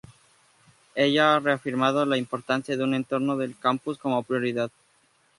Ella ha reafirmado la importancia de un entorno de campus como prioridad.